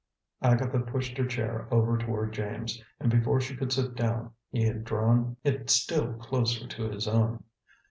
Agatha pushed her chair over toward James, and before she could sit down he had drawn it still closer to his own.